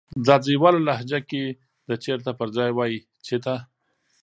ځاځيواله لهجه کې د "چیرته" پر ځای وایې "چیته"